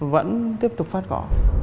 vẫn tiếp tục phát cỏ